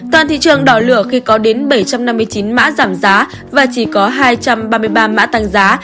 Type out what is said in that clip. toàn thị trường đỏ lửa khi có đến bảy trăm năm mươi chín mã giảm giá và chỉ có hai trăm ba mươi ba mã tăng giá